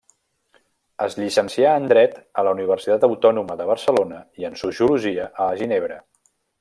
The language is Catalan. Es llicencià en dret a la Universitat Autònoma de Barcelona i en sociologia a Ginebra.